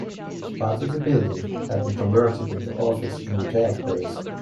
Parts of the building have been converted into office and retail space.